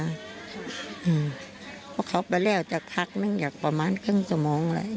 อืมเพราะเขาไปเลี่ยวจะพักนึงจากประมาณครึ่งสมองเลย